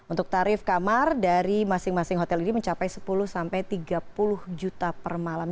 untuk tarif kamar dari masing masing hotel ini mencapai sepuluh sampai tiga puluh juta per malam